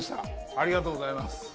ありがとうございます。